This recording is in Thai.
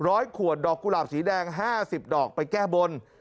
ร้อยข่วนดอกกุหลาบสีแดง๕๐ดอกไปแก้บน